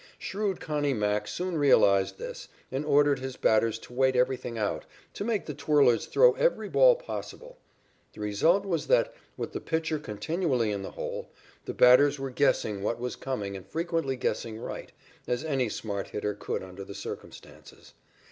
Shrewd Connie Mack soon realized this and ordered his batters to wait everything out, to make the twirlers throw every ball possible. The result was that, with the pitcher continually in the hole, the batters were guessing what was coming and frequently guessing right, as any smart hitter could under the circumstances.